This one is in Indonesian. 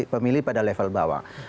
pemilih pada level bawah